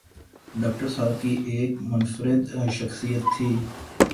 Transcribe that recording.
Doctor صاحب کی ایک منفرد شخصیت تھی۔